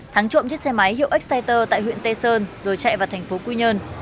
thắng trộm chiếc xe máy hiệu exciter tại huyện tây sơn rồi chạy vào thành phố quy nhơn